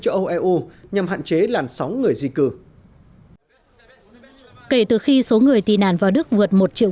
châu âu eu nhằm hạn chế làn sóng người di cư kể từ khi số người tị nạn vào đức vượt một triệu